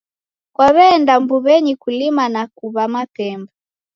Kwaw'eenda mbuw'enyi kulima na kuw'a mapemba.